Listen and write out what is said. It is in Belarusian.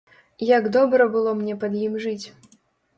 Як добра было мне пад ім жыць!